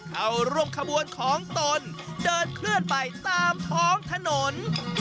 เข้าร่วมขบวนของตนเดินเคลื่อนไปตามท้องถนน